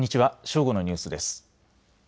正午のニュースです。